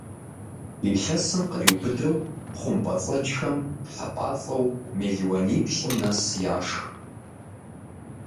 Илъэсым къриубыдэу хъумпӏэцӏэджхэм хьэпӀацӀэу мелуанипщӏым нэс яшх.